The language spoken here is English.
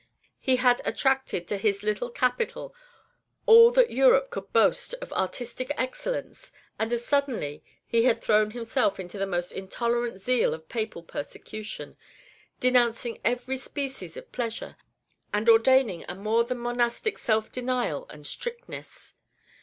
He had attracted to his little capital all that Europe could boast of artistic excellence, and as suddenly he had thrown himself into the most intolerant zeal of Papal persecution, denouncing every species of pleasure, and ordaining a more than monastic self denial and strictness.